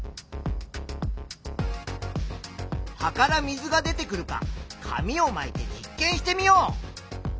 葉から水が出てくるか紙をまいて実験してみよう。